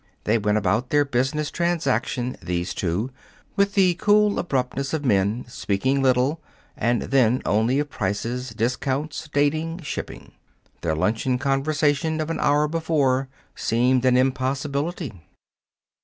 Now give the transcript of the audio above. They went about their business transaction, these two, with the cool abruptness of men, speaking little, and then only of prices, discounts, dating, shipping. Their luncheon conversation of an hour before seemed an impossibility.